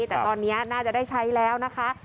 แต่ตอนนี้น่าจะได้ใช้แล้วนะคะ